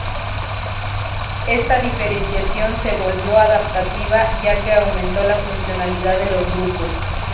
Esta diferenciación se volvió adaptativa ya que aumentó la funcionalidad de los grupos.